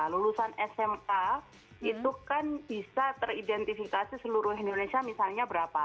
lulusan sma itu kan bisa teridentifikasi seluruh indonesia misalnya berapa